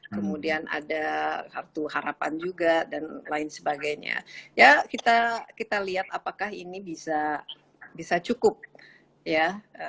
kemudian ada kartu harapan juga dan lain sebagainya ya kita lihat apakah ini bisa bisa cukup ya